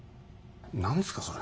何すかそれ。